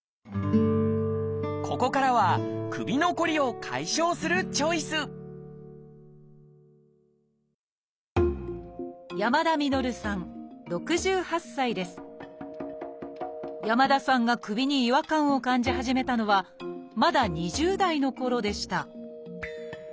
ここからは首のこりを解消するチョイス山田さんが首に違和感を感じ始めたのはまだ２０代のころでした